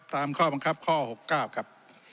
ตามข้อบังคับข้อหกเก้าครับ